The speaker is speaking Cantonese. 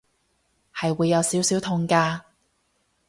係會有少少痛㗎